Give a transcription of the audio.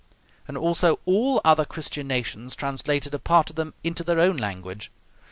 And also all other Christian nations translated a part of them into their own language.